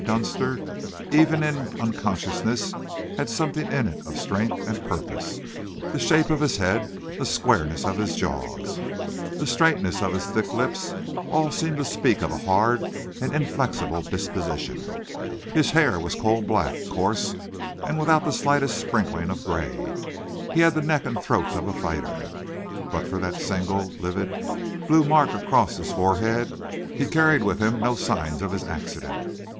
Dunster, even in unconsciousness, had something in it of strength and purpose. The shape of his head, the squareness of his jaws, the straightness of his thick lips, all seemed to speak of a hard and inflexible disposition. His hair was coal black, coarse, and without the slightest sprinkling of grey. He had the neck and throat of a fighter. But for that single, livid, blue mark across his forehead, he carried with him no signs of his accident.